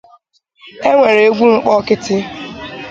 E nwere egwu nkpọkịtị